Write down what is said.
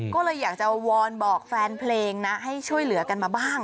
ก็เลยอยากจะวอนบอกแฟนเพลงนะให้ช่วยเหลือกันมาบ้าง